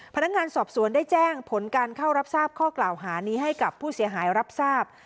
พนักงานสอบสวนได้แจ้งผลการเข้ารับทราบข้อกล่าวหานี้ให้กับผู้เสียหายรับทราบ